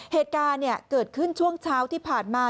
เหตุการณ์เกิดขึ้นช่วงเช้าที่ผ่านมา